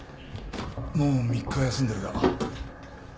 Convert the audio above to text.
もう３日休んでるが。